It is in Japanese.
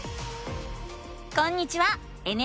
こんにちは！